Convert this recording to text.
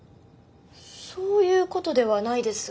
そういうことではないですが。